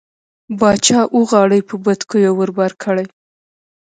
باچا اوه غاړۍ په بتکيو ور بار کړې.